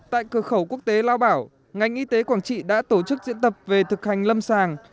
tại cửa khẩu quốc tế lao bảo ngành y tế quảng trị đã tổ chức diễn tập về thực hành lâm sàng